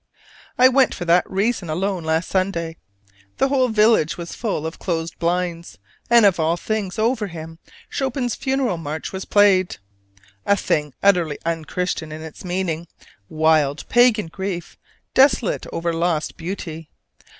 I went for that reason alone last Sunday. The whole village was full of closed blinds: and of all things over him Chopin's Funeral March was played! a thing utterly unchristian in its meaning: wild pagan grief, desolate over lost beauty.